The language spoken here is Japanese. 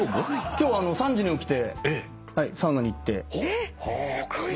今日３時に起きてはいサウナに行って。